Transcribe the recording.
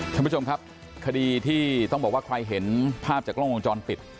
ท่านผู้ชมครับคดีที่ต้องบอกว่าใครเห็นภาพจากกล้องวงจรปิด